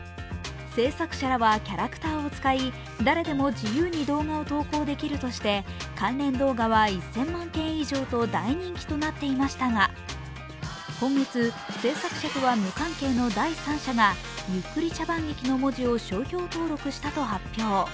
制作者らはキャラクターを使い誰でも自由に動画を投稿できるとして関連動画は１０００万件以上と大人気となっていましたが今月、制作者とは無関係の第三者がゆっくり茶番劇の文字を商標登録したと発表。